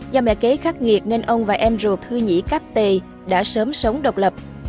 do mẹ kế khắc nghiệt nên ông và em ruột thư nhĩ cáp tề đã sớm sống độc lập